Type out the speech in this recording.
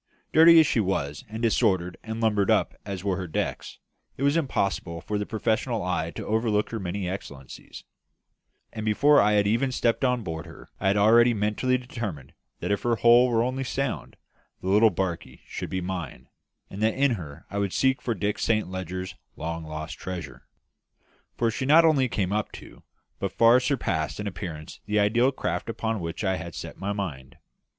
Dirty as she was, and disordered and lumbered up as were her decks, it was impossible for the professional eye to overlook her many excellencies; and before I had even stepped on board her I had already mentally determined that if her hull were only sound, the little barkie should be mine, and that in her I would seek for Dick Saint Leger's long lost treasure. For she not only came up to but far surpassed in appearance the ideal craft upon which I had set my mind.